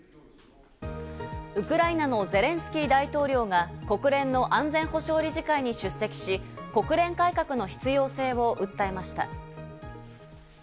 ウクライナのゼレンスキー大統領が国連の安全保障理事会に出席し、国連改革の必要性を訴えました。